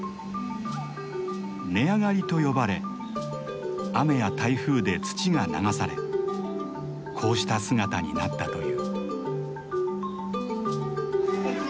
根上がりと呼ばれ雨や台風で土が流されこうした姿になったという。